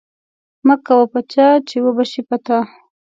مه کوه په چا، چی وبه شي په تا